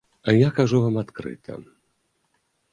Я кажу вам адкрыта.